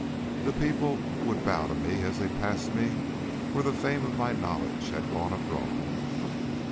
The people would bow to me as they passed me, for the fame of my knowledge had gone abroad.